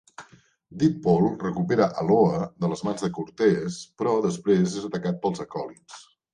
Deadpool recupera a Loa de les mans de Cortés, però després és atacat pels acòlits.